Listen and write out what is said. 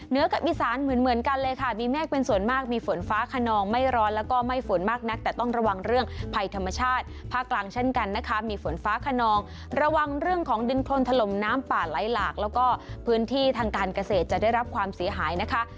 กับอีสานเหมือนกันเลยค่ะมีเมฆเป็นส่วนมากมีฝนฟ้าขนองไม่ร้อนแล้วก็ไม่ฝนมากนักแต่ต้องระวังเรื่องภัยธรรมชาติภาคกลางเช่นกันนะคะมีฝนฟ้าขนองระวังเรื่องของดินโครนถล่มน้ำป่าไหลหลากแล้วก็พื้นที่ทางการเกษตรจะได้รับความเสียหายนะคะ